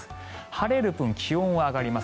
晴れる分、気温は上がります。